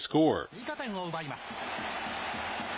追加点を奪います。